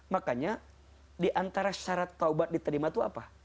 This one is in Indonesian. makanya diantara syarat taubat diterima itu apa